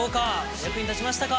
役に立ちましたか？